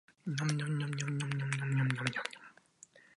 禅智内供の鼻と云えば、池の尾で知らない者はない。